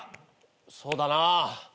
そうだな。